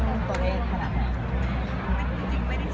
ไม่ควรเชื่อเรื่องตัวเองที่สด